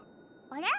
あれ？